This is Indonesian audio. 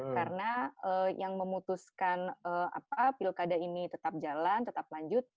karena yang memutuskan apa pilkada ini tetap jalan tetap lanjut